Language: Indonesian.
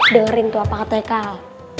dengerin tuh apa katanya kal